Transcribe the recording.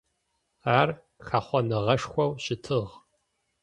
Ар хэхъоныгъэшхоу щытыгъ.